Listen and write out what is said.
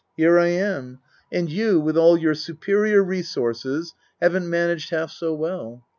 Here I am. And you, with 32 Tasker Jevons all your superior resources, haven't managed half so well."